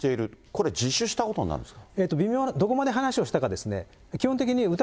これ、自首したことになるんですか。